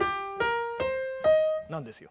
なんですよ。